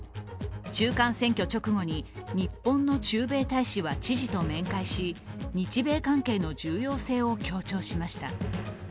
中間選挙直後に日本の駐米大使は知事と面会し、日米関係の重要性を強調しました。